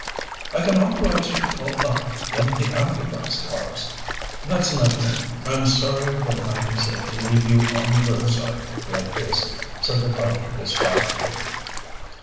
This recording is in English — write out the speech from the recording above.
"I can authorize you to call up one of the ambulance cars." "That's an idea. I'm sorrier than I can say to leave you on the roadside like this," said the doctor distractedly.